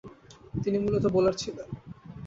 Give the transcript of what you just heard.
তিনি মূলতঃ বোলার ছিলেন।